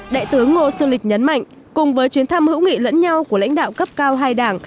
đại tướng ngô xuân lịch nhấn mạnh cùng với chuyến thăm hữu nghị lẫn nhau của lãnh đạo cấp cao hai đảng